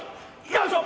よいしょ！